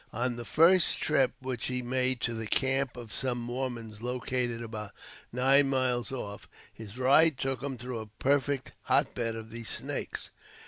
On the first trip which he made to the camp of some Mormons located about nine miles off, his ride took him through a perfect hot bed of these snakes.